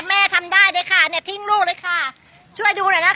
แม่ทำได้เลยค่ะเนี่ยทิ้งลูกเลยค่ะช่วยดูหน่อยนะคะ